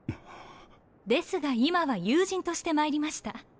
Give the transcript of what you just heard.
ですが今は友人としてまいりました。